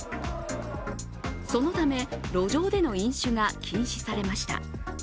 そのため路上での飲酒が禁止されました。